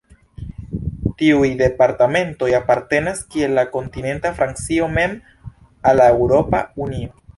Tiuj departementoj apartenas, kiel la kontinenta Francio mem, al la Eŭropa Unio.